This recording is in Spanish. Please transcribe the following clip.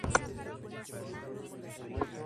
La puesta en escena tiene una gran fuerza pictórica.